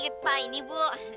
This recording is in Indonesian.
oh oh ini pak ini bu